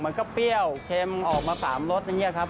มันก็เปรี้ยวเช่มออกมาสามรสตรงนี้ครับ